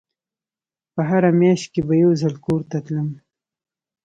په هره مياشت کښې به يو ځل کور ته تلم.